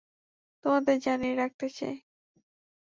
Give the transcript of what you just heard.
তোমাদের জানিয়ে রাখতে চাই।